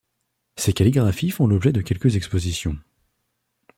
Ses calligraphies font l'objet de quelques expositions.